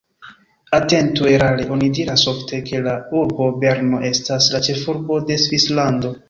Atentu erare oni diras ofte, ke la urbo Berno estas la ĉefurbo de Svislando.